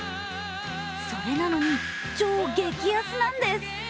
それなのに超激安なんです。